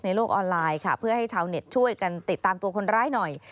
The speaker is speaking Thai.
โลกออนไลน์ค่ะเพื่อให้ชาวเน็ตช่วยกันติดตามตัวคนร้ายหน่อย